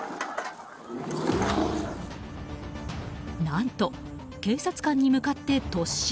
何と、警察官に向かって突進。